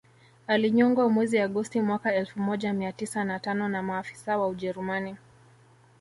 Alinyongwa mwezi Agosti mwaka elfu moja mia tisa na tano na maafisa wa ujerumani